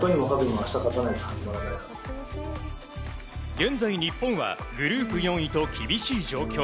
現在、日本はグループ４位と厳しい状況。